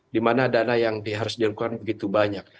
dimana dana yang harus dilakukan begitu banyak